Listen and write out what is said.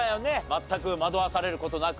全く惑わされる事なく。